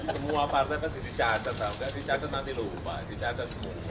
semua partai pasti dicatat kalau tidak dicatat nanti lupa